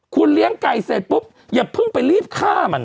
คุณเลี้ยงไก่เสร็จปุ๊บอย่าเพิ่งไปรีบฆ่ามัน